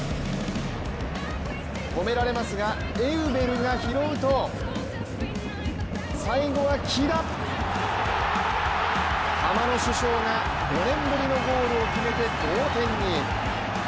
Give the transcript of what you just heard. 止められますが、エウベルが拾うと、最後は喜田、ハマの主将が５年ぶりのゴールを決めて同点に。